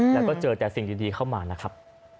แล้วก็เจอแต่สิ่งดีเข้ามานะครับ